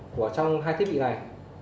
của trong hai thiết bị này